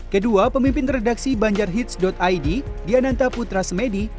kedua pemimpin redaksi banjarhids id diananta putra semedi